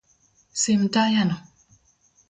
Sim tayano.